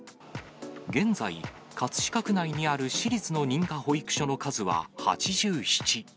現在、葛飾区内にある私立の認可保育所の数は８７。